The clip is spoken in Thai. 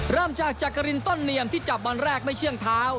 เริ่มจากจักรินต้นเนียมที่จับวันแรกไม่เชื่องเท้า